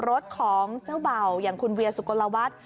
กับรถของเจ้าเบ่าอย่างคุณเวียสุโกระวัด